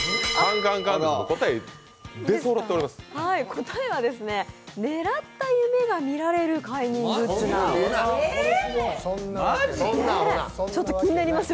答えはですね、狙った夢が見られる快眠グッズなんです。